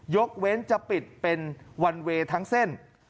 ยกเว้นจะปิดเป็นวันเวย์ทั้งเส้น